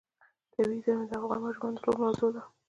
طبیعي زیرمې د افغان ماشومانو د لوبو موضوع ده.